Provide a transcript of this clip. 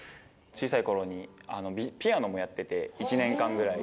小さいころに、ピアノもやってて、１年間くらい。